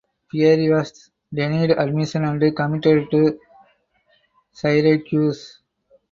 Pierre was denied admission and committed to Syracuse.